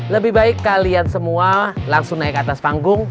lebih baik kalian semua langsung naik ke atas panggung